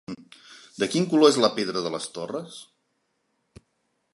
De quin color és la pedra de les torres?